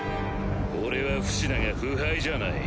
俺は不死だが不敗じゃない。